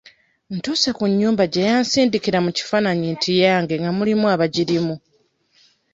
Ntuuse ku nnyumba gye yansindikra mu kifaananyi nti yange nga mulimu abagirimu.